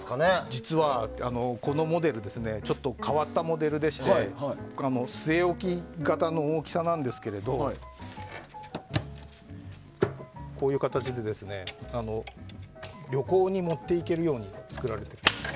実は、このモデルちょっと変わったモデルでして据え置き型の大きさなんですけれどこういう形で、旅行に持っていけるように作られてます。